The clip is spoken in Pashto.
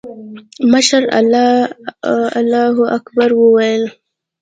مشر الله اکبر وويل.